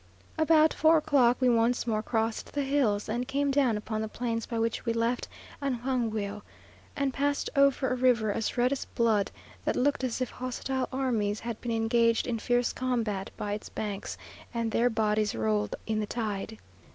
About four o'clock we once more crossed the hills and came down upon the plains by which we left Angangueo; and passed over a river as red as blood, that looked as if hostile armies had been engaged in fierce combat by its banks, and their bodies rolled in the tide.